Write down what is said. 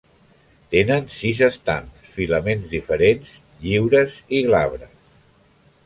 Tenen sis estams, filaments diferents, lliures i glabres.